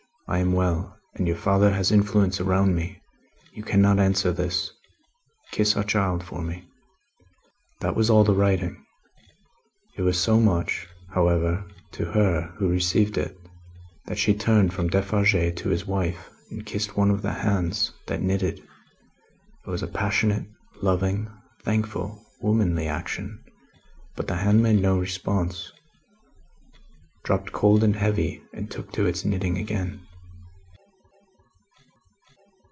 I am well, and your father has influence around me. You cannot answer this. Kiss our child for me." That was all the writing. It was so much, however, to her who received it, that she turned from Defarge to his wife, and kissed one of the hands that knitted. It was a passionate, loving, thankful, womanly action, but the hand made no response dropped cold and heavy, and took to its knitting again.